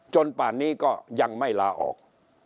ป่านนี้ก็ยังไม่ลาออก